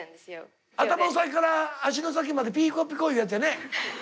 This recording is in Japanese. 頭の先から足の先までピーコピコいうやつやね。